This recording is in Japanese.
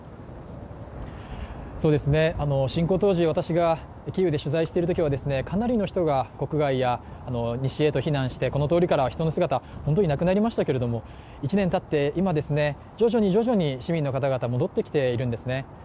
侵攻当時、私がキーウで取材しているときはかなりの人が国外や西へと避難してこの通りからは人の姿、本当になくなりましたけれども１年たって、今、徐々に徐々に市民の方々戻ってきているんですね。